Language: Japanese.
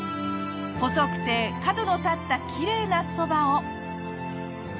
細くて角の立ったきれいなそばを。